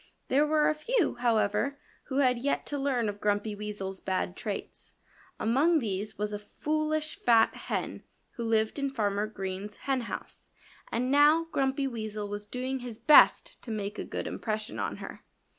There were a few, however, who had yet to learn of Grumpy Weasel's bad traits. Among these was a foolish, fat hen who lived in Farmer Green's henhouse. And now Grumpy Weasel was doing his best to make a good impression on her.